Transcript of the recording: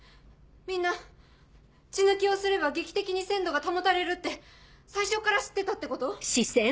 みんな血抜きをすれば劇的に鮮度が保たれるって最初から知ってたってこと？